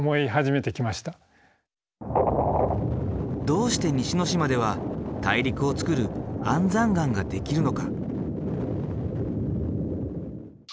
どうして西之島では大陸をつくる安山岩ができるのか？